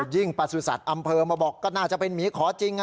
ประสุทธิ์อำเภอมาบอกก็น่าจะเป็นหมีขอจริง